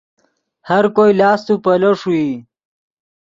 ہر کوئی لاست و پیلو ݰوئی